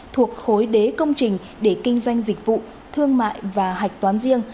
thuộc khối đế công trình để kinh doanh dịch vụ thương mại và hạch toán riêng